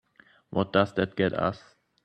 What does that get us?